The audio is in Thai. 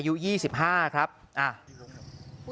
ยายถามนิ่งแต่เจ็บลึกถึงใจนะ